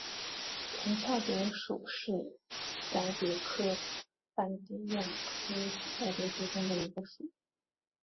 纹绡蝶属是蛱蝶科斑蝶亚科绡蝶族中的一个属。